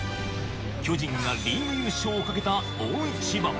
巨人がリーグ優勝をかけた大一番。